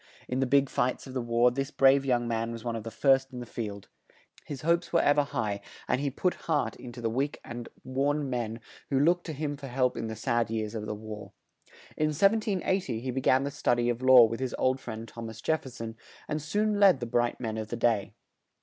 In the big fights of the war this brave young man was one of the first in the field; his hopes were ev er high, and he put heart in to the weak and worn men who looked to him for help in the sad years of the war. In 1780 he be gan the stud y of law with his old friend Thom as Jef fer son and soon led the bright men of the day.